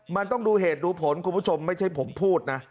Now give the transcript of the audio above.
มันต้องดูเหตุดูผลคุณผู้ชมไม่ใช่ผมพูดนะ